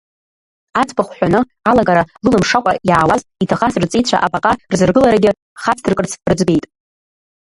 Аӡбахә ҳәаны, алагара рылымшакәа иаауаз, иҭахаз рҵеицәа абаҟа рзыргыларагьы хацдыркырц рыӡбеит.